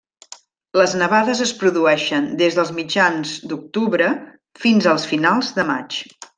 Les nevades es produeixen des dels mitjans d'octubre fins als finals de maig.